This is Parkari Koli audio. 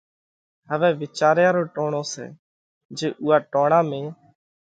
هوئہ وِيچاريا رو ٽوڻو سئہ جي اُوئا ٽوڻا ۾